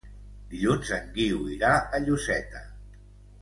Dilluns en Guiu irà a Lloseta.